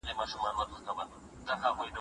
بشري سرچینې تر مادي پانګې ارزښتمنې دي.